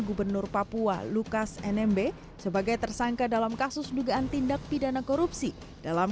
gubernur papua lukas nmb sebagai tersangka dalam kasus dugaan tindak pidana korupsi dalam